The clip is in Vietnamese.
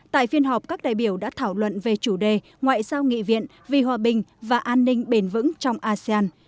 tại phiên họp các đại biểu đã thảo luận về chủ đề ngoại giao nghị viện vì hòa bình và an ninh bền vững trong asean